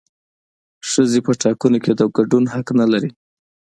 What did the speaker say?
ښځې په ټاکنو کې د ګډون حق نه لري